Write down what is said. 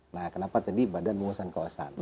nah kenapa tadi badan pengurusan kawasan